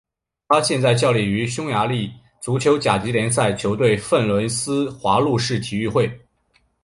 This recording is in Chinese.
他现在效力于匈牙利足球甲级联赛球队费伦斯华路士体育会。